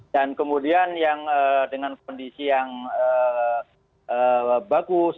dan kemudian yang dengan kondisi yang bagus